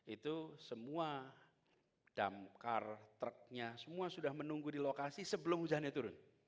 itu semua damkar truknya semua sudah menunggu di lokasi sebelum hujannya turun